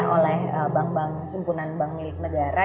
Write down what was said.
oleh bank bank himpunan bank milik negara